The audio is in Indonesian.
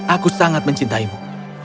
aku sangat mencintaimu